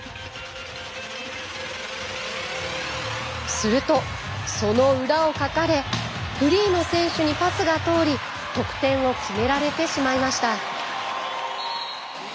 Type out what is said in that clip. するとその裏をかかれフリーの選手にパスが通り得点を決められてしまいました。